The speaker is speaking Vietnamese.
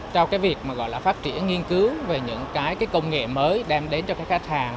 cho việc phát triển nghiên cứu về những công nghệ mới đem đến cho khách hàng